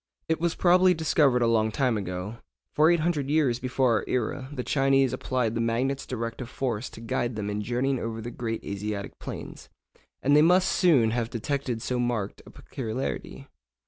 It was probably discovered a long time ago, for 800 years before our era the Chinese applied the magnet's directive force to guide them in journeying over the great Asiatic plains, and they must soon have detected so marked a peculiarity.